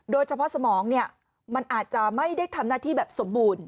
โดยเฉพาะสมองมันอาจจะไม่ได้ทำหน้าที่แบบสมบูรณ์